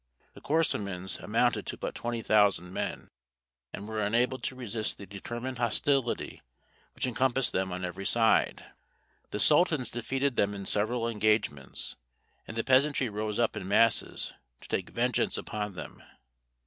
The Korasmins amounted to but twenty thousand men, and were unable to resist the determined hostility which encompassed them on every side. The sultans defeated them in several engagements, and the peasantry rose up in masses to take vengeance upon them.